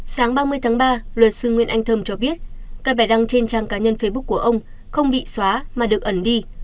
sáng ba mươi tháng ba luật sư nguyễn anh thơm cho biết các bài đăng trên trang cá nhân facebook của ông không bị xóa mà được ẩn đi